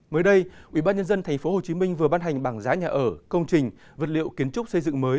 mới đây ubnd tp hcm vừa ban hành bảng giá nhà ở công trình vật liệu kiến trúc xây dựng mới